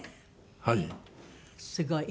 はい。